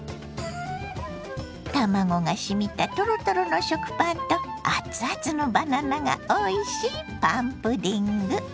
卵がしみたトロトロの食パンとあつあつのバナナがおいしいパンプディング。